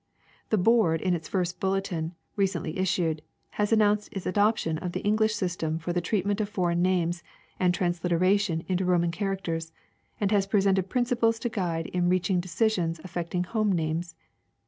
The board in its first bulletin, re cently issued, has announced its adoption of the English system for the treatment of foreign names and transliteration into Roman characters, and has presented principles to guide in reaching de cisions affecting home names.